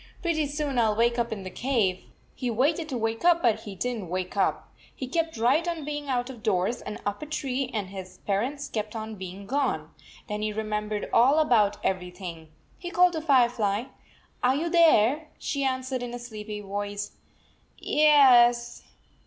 " Pretty soon I 11 wake up in the cave." He waited to wake up, but he did n t wake up. He kept right on being out of doors and up a tree, and his parents kept on being gone. Then he remembered all about everything. He called to Firefly, "Are you there?" She answered in a sleepy voice, "Yes."